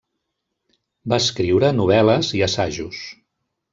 Va escriure novel·les i assajos.